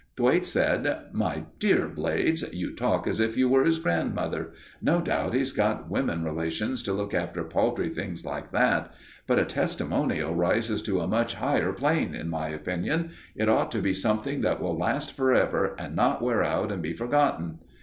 Thwaites said: "My dear Blades, you talk as if you were his grandmother. No doubt he's got women relations to look after paltry things like that; but a testimonial rises to a much higher plane, in my opinion. It ought to be something that will last for ever and not wear out and be forgotten."